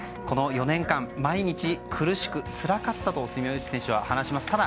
この４年間、毎日苦しく、つらかったと住吉選手は話します。